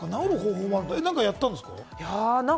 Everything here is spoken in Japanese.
何かやったんですか？